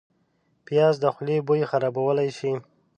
پیاز د خولې بوی خرابولی شي